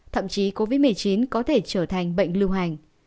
thậm chí covid một mươi chín có thể trở thành bệnh lưu hành